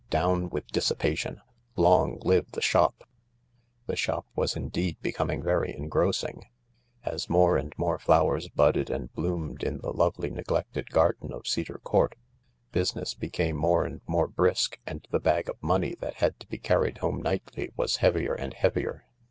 Down with dissipation ! Long live the shop I " The shop was indeed becoming very engrossing. As more H 114 THE LARK and more flowefs budded and bloomed in the lovely, neglected garden of Cedar Court, business became more and more brisk, and the bag of money that had to be carried home nightty was heavier and heavier.